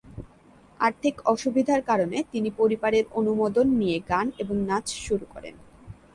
আর্থিক অসুবিধার কারণে, তিনি পরিবারের অনুমোদন নিয়ে গান এবং নাচ শুরু করেন।